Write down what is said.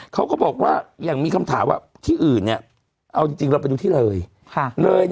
เขาก็บอกว่ายังมีคำถามว่าที่อื่นเนี่ยเอาจริงเราไปดูที่เลย